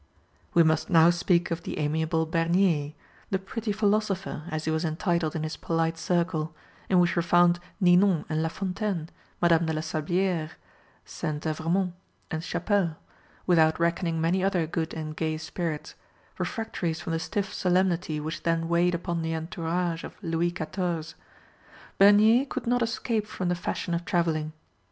We must now speak of the amiable Bernier, the "pretty philosopher," as he was entitled in his polite circle, in which were found Ninon and La Fontaine, Madame de la Sablière, St. Evremont, and Chapelle, without reckoning many other good and gay spirits, refractories from the stiff solemnity which then weighed upon the entourage of Louis XIV. Bernier could not escape from the fashion of travelling.